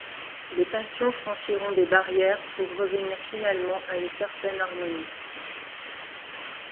Les passions franchiront des barrières pour revenir finalement à une certaine harmonie.